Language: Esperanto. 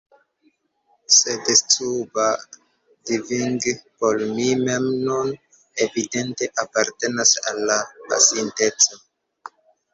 Sed scuba diving por mi mem nun evidente apartenas al la pasinteco.